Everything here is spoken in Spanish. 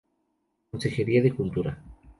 Consejería de Cultura.